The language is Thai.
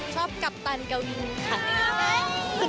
ชอบกัปตันกะวินค่ะ